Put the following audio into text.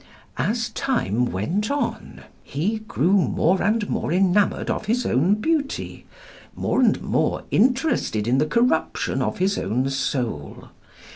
As time went on "He grew more and more enamoured of his own beauty, more and more interested in the corruption of his own soul.